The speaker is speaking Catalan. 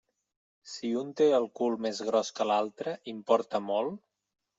Si un té el cul més gros que l'altre, importa molt?